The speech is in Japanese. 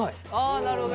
あなるほど。